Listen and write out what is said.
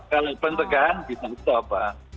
kalau pencegahan bisa stop